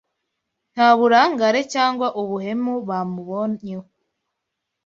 Nta burangare cyangwa ubuhemu bamubonyeho